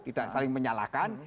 tidak saling menyalahkan